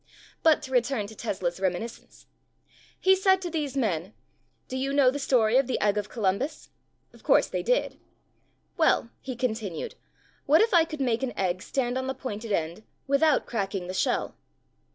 But to return to Tesla's reminiscence. He said to these men, "Do you know the story of the Egg of Columbus?" Of course they did. "Well," he continued, "what if I could make an egg stand on the pointed end without cracking the shell?"